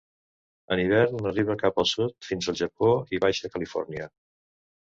En hivern arriba cap al sud fins al Japó i Baixa Califòrnia.